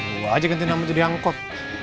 gua aja gantiin nama jadi angkot